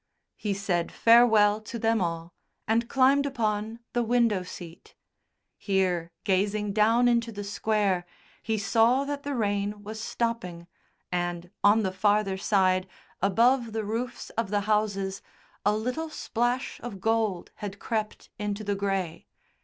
He said farewell to them all and climbed upon the window seat. Here, gazing down into the Square, he saw that the rain was stopping, and, on the farther side, above the roofs of the houses, a little splash of gold had crept into the grey.